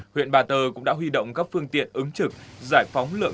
huyện ba tơ quốc lộ hai mươi bốn a giáp danh tỉnh quảng ngãi và con tum